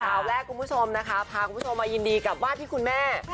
ข่าวแรกคุณผู้ชมนะคะพาคุณผู้ชมมายินดีกับว่าที่คุณแม่